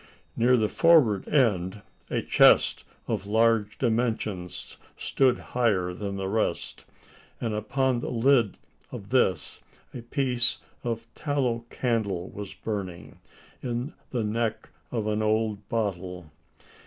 Near the forward end, a chest of large dimensions stood higher than the rest; and upon the lid of this a piece of tallow candle was burning, in the neck of an old bottle!